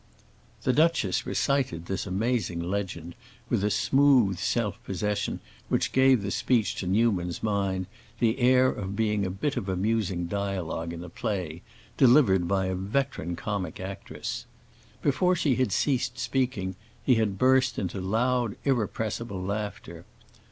The duchess recited this amazing "legend" with a smooth self possession which gave the speech to Newman's mind, the air of being a bit of amusing dialogue in a play, delivered by a veteran comic actress. Before she had ceased speaking he had burst into loud, irrepressible laughter.